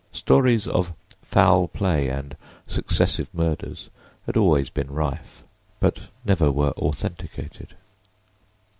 Stories of foul play and successive murders had always been rife, but never were authenticated.